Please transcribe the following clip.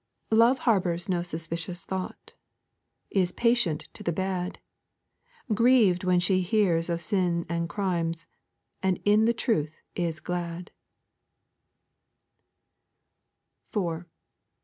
'Love harbours no suspicious thought, Is patient to the bad: Grieved when she hears of sins and crimes, And in the truth is glad.' 4.